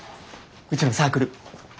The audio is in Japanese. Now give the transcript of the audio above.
うちのサークル。